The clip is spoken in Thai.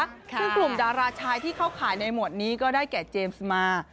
ซึ่งกลุ่มดาราชายที่เข้าข่ายในหมวดนี้ก็ได้แก่เจมส์มา